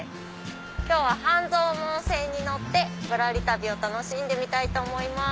今日は半蔵門線に乗ってぶらり旅を楽しんでみたいと思います。